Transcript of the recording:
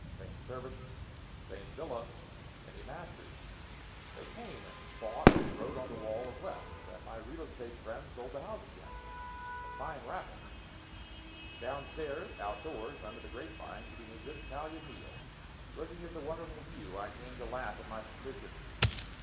Same servants, same villa, many masters. They came and bought and wrote on the wall and left, and then my real estate friend sold the house again. A fine racket! Downstairs, outdoors, under the grapevine, eating a good Italian meal, looking at the wonderful view, I came to laugh at my suspicions.